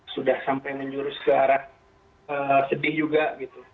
sudah sampai menjurus ke arah sedih juga gitu